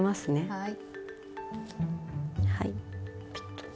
はい。